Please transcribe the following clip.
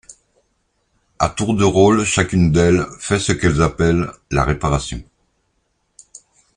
À tour de rôle chacune d’elles fait ce qu’elles appellent la réparation.